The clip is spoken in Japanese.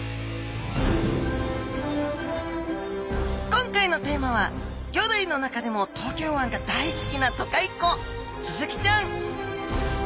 今回のテーマは魚類の中でも東京湾が大好きな都会っ子スズキちゃん